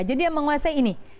jadi yang menguasai ini